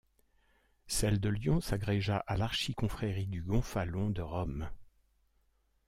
Celle de Lyon s'agrégea à l'Archiconfrérie du Gonfalon de Rome.